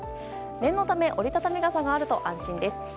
念のため折り畳み傘があると安心です。